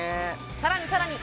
さらにさらに！